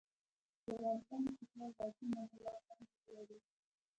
د افغانسان استقلار غازي امان الله خان ګټلی دی.